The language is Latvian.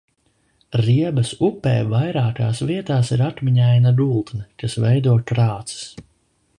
Riebas upē vairākās vietās ir akmeņaina gultne, kas veido krāces.